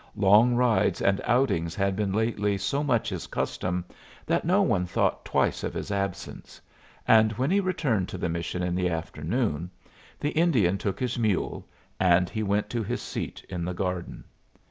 Long rides and outings had been lately so much his custom, that no one thought twice of his absence; and when he returned to the mission in the afternoon, the Indian took his mule, and he went to his seat in the garden.